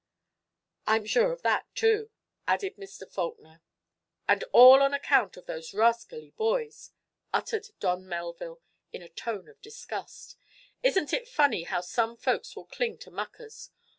"I'm sure of that, too," added Mr. Faulkner. "And all on account of those rascally boys!" uttered Don Melville, in a tone of disgust. "Isn't it funny how some folks will cling to muckers?